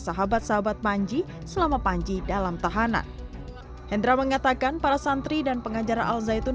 sahabat sahabat panji selama panji dalam tahanan hendra mengatakan para santri dan pengajar al zaitun